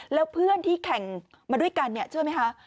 แล้วเพื่อนที่แข่งมาด้วยกันเนี่ยเชื่อไหมคะ